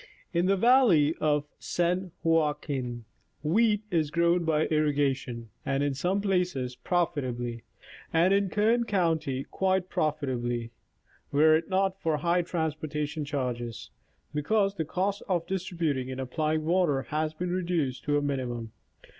In the valley of San Joaquin, wheat is grown by irriga tion, and in some places profitably, and in Kern county quite profitably (were it not for high transportation charges), because Irrigation in California. 285 the cost of distributing and applying water has been reduced to a minimum.